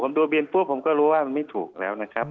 ผมดูเบียนปุ๊บผมก็รู้ว่ามันไม่ถูกแล้วนะครับ